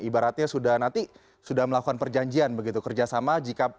ibaratnya sudah nanti sudah melakukan perjanjian begitu kerjasama